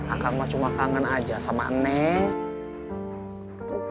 akankah cuma kangen aja sama neng